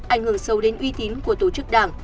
ảnh hưởng sâu đến uy tín của tổ chức đảng